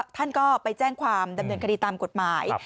ท่านก็ไปแจ้งความดำเนินคดีตามกฎหมาย